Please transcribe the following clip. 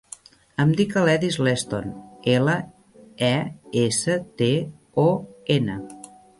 Em dic Aledis Leston: ela, e, essa, te, o, ena.